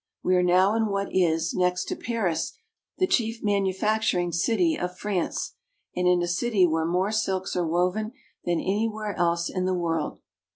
We are now in what is, next to Paris, the chief man ufacturing city of France, and in a city where more silks are woven than anywhere else in the world.